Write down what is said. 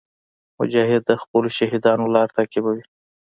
مجاهد د خپلو شهیدانو لار تعقیبوي.